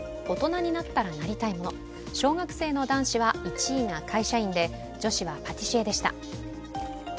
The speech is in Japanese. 大人になったらなりたいもの、小学生の男子は１位が会社員で女子はパティシエでした。